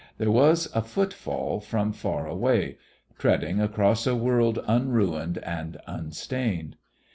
There was a footfall from far away, treading across a world unruined and unstained.